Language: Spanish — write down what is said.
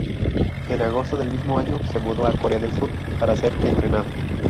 En agosto del mismo año se mudó a Corea del Sur para ser entrenado.